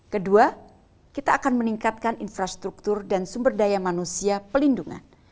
kedua kita akan meningkatkan infrastruktur dan sumber daya manusia pelindungan